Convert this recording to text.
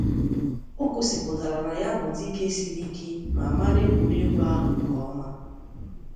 O gosiputara na ya bu dike siri ike ma mara egwuregwu ahu nke oma.